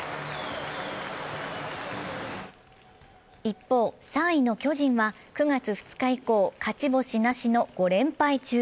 一方、３位の巨人は９月２日以降、勝ち星なしの５連敗中。